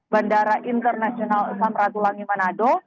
bandara internasional samratulangi manado